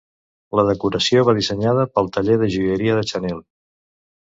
La decoració va ser dissenyada pel taller de joieria de Chanel.